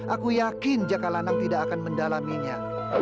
aku yakin jakalanang tidak akan mendalaminya